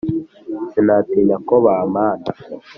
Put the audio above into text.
sinatinya ko bampana